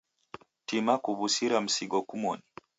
Tima kuw'usira msigo kumoni.